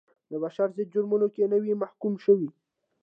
د بشر ضد جرمونو کې نه وي محکوم شوي.